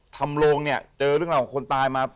โลงเนี่ยเจอเรื่องราวของคนตายมา